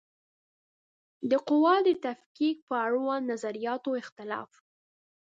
د قواوو د تفکیک په اړوند د نظریاتو اختلاف